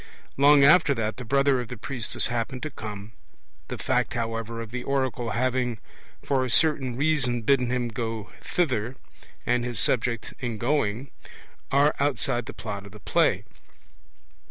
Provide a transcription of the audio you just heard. Long after that the brother of the priestess happened to come; the fact, however, of the oracle having for a certain reason bidden him go thither, and his object in going, are outside the Plot of the play.